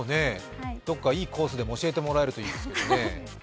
どこか、いいコースでも教えてもらえるといいですけどね。